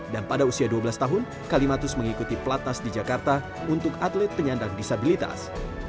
dan pada usia dua belas tahun kalimantus mengikuti pelatas di jakarta untuk atlet penyandang disabilitas